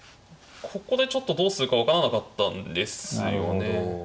ここでちょっとどうするか分からなかったんですよね。